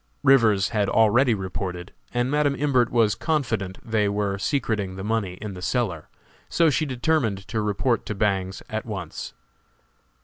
Rivers had already reported, and Madam Imbert was confident they were secreting the money in the cellar, so she determined to report to Bangs at once.